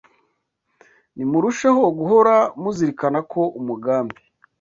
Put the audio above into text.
Nimurusheho guhora muzirikana ko umugambi